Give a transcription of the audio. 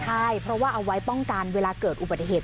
ใช่เพราะว่าเอาไว้ป้องกันเวลาเกิดอุบัติเหตุ